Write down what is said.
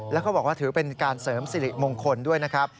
แล้วเขาบอกว่าถือเป็นการเสริมสิริมงคลด้วยนะครับ